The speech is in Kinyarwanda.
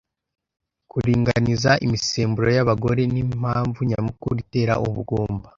Kuringaniza imisemburo y'abagore nimpamvu nyamukuru itera ubugumba.